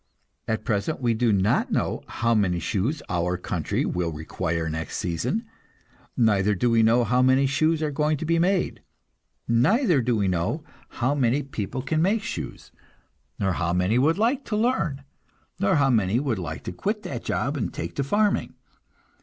At present we do not know how many shoes our country will require next season, neither do we know how many shoes are going to be made, neither do we know how many people can make shoes, nor how many would like to learn, nor how many would like to quit that job and take to farming.